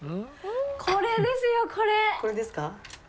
これですか？